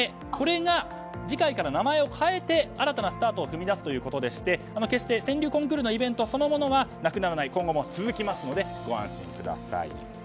これが次回から名前を変えて新たなスタートを踏み出すということでして決して川柳コンクールのイベントそのものはなくならない今後も続きますのでご安心ください。